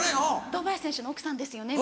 「堂林選手の奥さんですよね」